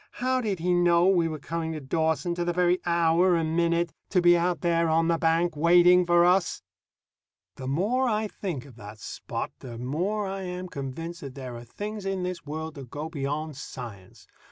How did he know we were coming to Dawson, to the very hour and minute, to be out there on the bank waiting for us? The more I think of that Spot, the more I am convinced that there are things in this world that go beyond science.